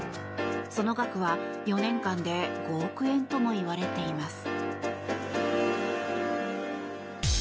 その額は、４年間で５億円ともいわれています。